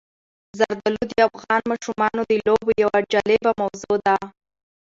زردالو د افغان ماشومانو د لوبو یوه جالبه موضوع ده.